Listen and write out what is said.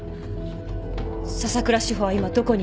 笹倉志帆は今どこにいますか？